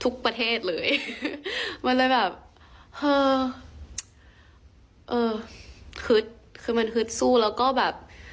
ทุกประเทศเลยมันเลยแบบเออคือมันคือสู้แล้วก็แบบ